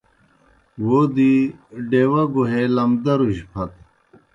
وو دی ڈیوا گُہے لمدروْجیْ پھت۔